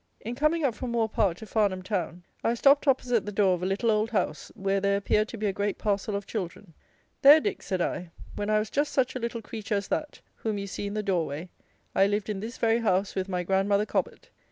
In coming up from Moore Park to Farnham town, I stopped opposite the door of a little old house, where there appeared to be a great parcel of children. "There, Dick," said I, "when I was just such a little creature as that, whom you see in the door way, I lived in this very house with my grand mother Cobbett."